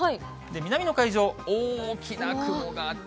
南の海上、大きな雲があって。